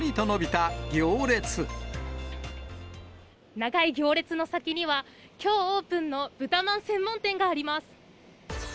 長い行列の先には、きょうオープンの豚まん専門店があります。